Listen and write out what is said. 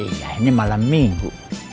iya ini malam minggu